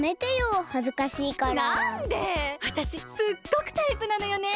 わたしすっごくタイプなのよね。